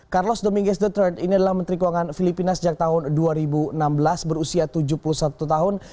carlos dominges ini adalah menteri keuangan filipina sejak tahun dua ribu enam belas berusia tujuh puluh satu tahun